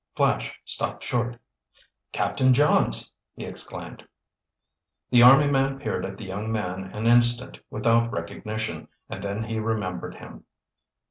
Flash stopped short. "Captain Johns!" he exclaimed. The army man peered at the young man an instant without recognition, and then he remembered him.